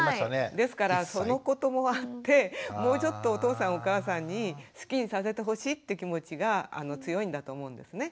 ですからそのこともあってもうちょっとお父さんお母さんに好きにさせてほしいって気持ちが強いんだと思うんですね。